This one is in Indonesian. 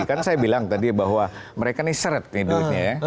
karena saya bilang tadi bahwa mereka ini seret nih duitnya ya